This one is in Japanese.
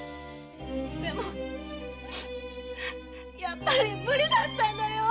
でもやっぱり無理だったんだよぉ！